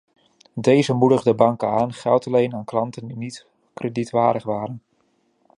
Deze moedigde banken aan geld te lenen aan klanten die niet kredietwaardig waren.